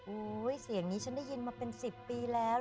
เสียงนี้ฉันได้ยินมาเป็น๑๐ปีแล้ว